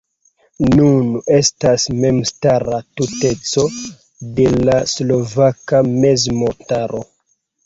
Nun estas memstara tuteco de la Slovaka Mezmontaro.